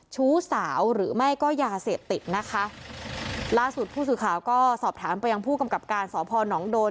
ชู้สาวหรือไม่ก็ยาเสพติดนะคะล่าสุดผู้สื่อข่าวก็สอบถามไปยังผู้กำกับการสพนโดน